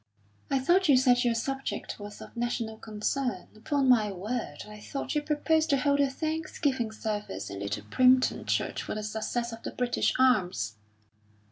"I thought you said your subject was of national concern. Upon my word, I thought you proposed to hold a thanksgiving service in Little Primpton Church for the success of the British arms."